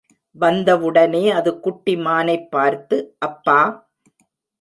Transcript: வந்தவுடனே அது குட்டி மானைப் பார்த்து, அப்பா!